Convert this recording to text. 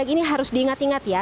ini harus diingat ingat ya